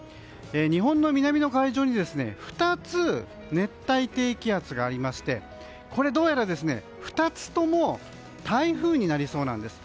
日本の南の海上に２つ熱帯低気圧がありましてこれ、どうやら２つとも台風になりそうなんです。